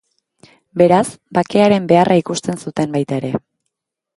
Beraz, bakearen beharra ikusten zuten baita ere.